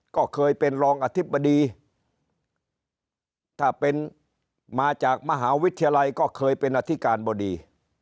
ก็เคยเป็นรองอธิบดีถ้าเป็นมาจากมหาวิทยาลัยก็เคยเป็นอธิการบดี